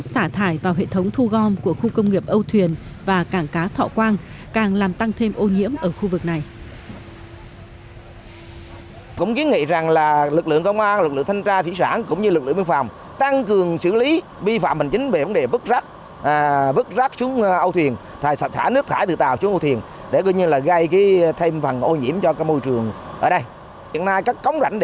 xả thải vào hệ thống thu gom của khu công nghiệp âu thuyền và cảng cá thọ quang